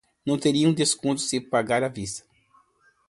Não teria um desconto se pagar à vista.